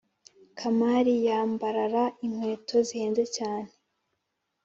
kamali yambarara inkweto zihenze cyane